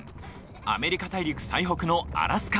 アメリカ大陸最北のアラスカ。